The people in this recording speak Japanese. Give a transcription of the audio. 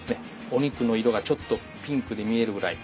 お肉の色がちょっとピンクに見えるぐらい。